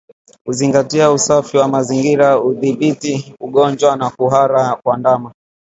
Kuzingatia usafi wa mazingira hudhibiti ugonjwa wa kuhara kwa ndama